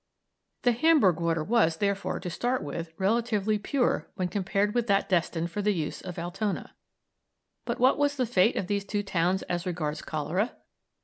The Hamburg water was, therefore, to start with, relatively pure when compared with that destined for the use of Altona. But what was the fate of these two towns as regards cholera?